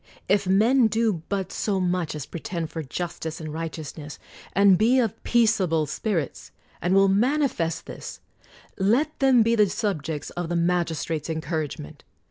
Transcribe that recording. If men do but so much as pretend for justice and right eousness, and be of peaceable spirits, and will manifest this, let them be the subjects of the magistrate's encouragement.